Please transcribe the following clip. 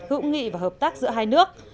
hữu nghị và hợp tác giữa hai nước